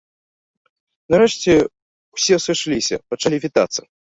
Нарэшце ўсе сышліся, пачалі вітацца.